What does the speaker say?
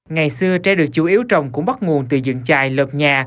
ngày xưa tre được chủ yếu trồng cũng bắt nguồn từ dựng trại lợp nhà